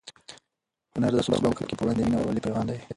هنر د تعصب او کرکې پر وړاندې د مینې او ورورولۍ پيغام دی.